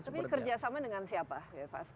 tapi kerjasama dengan siapa ya fas